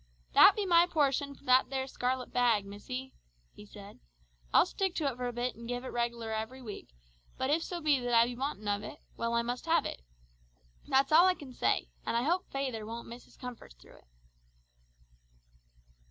"That be my portion for that there scarlet bag, missy," he said. "I'll stick to it for a bit an' give it reg'lar every week, but if so be that I be wantin' of it, well I must have it. That's all I can say, an' I hope fayther won't miss his comforts through it!"